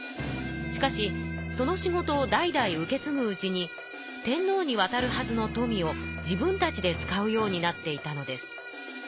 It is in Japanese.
しかしその仕事を代々受けつぐうちに天皇にわたるはずの富を自分たちで使うようになっていたのです。